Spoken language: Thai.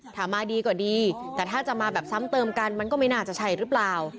ถ้ามาดีก็ดีแต่ถ้าจะมาแบบซ้ำเติมกันมันก็ไม่น่าจะใช่หรือเปล่า